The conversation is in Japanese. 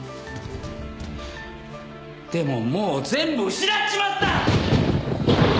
でももう全部失っちまった！